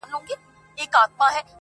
اخلو انتقام به له تیارو یاره،